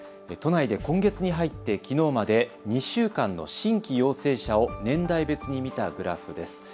都内で今月に入ってきのうまで２週間の新規陽性者を年代別に見たグラフです。